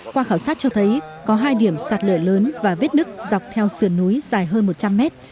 qua khảo sát cho thấy có hai điểm sạt lở lớn và vết nứt dọc theo sườn núi dài hơn một trăm linh mét